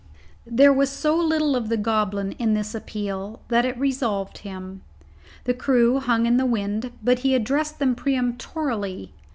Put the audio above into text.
There was so little of the goblin in this appeal that it resolved him. The crew hung in the wind, but he addressed them peremptorily.